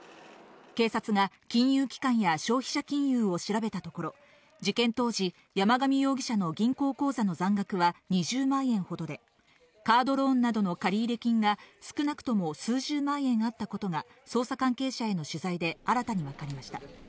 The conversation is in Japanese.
警察や金融機関や消費者金融を調べたところ、事件当時、山上容疑者の銀行口座の残額は２０万円ほどで、カードローンなどの借入金が少なくとも数十万円あったことが捜査関係者への取材で新たに分かりました。